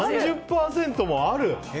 ３０％もある？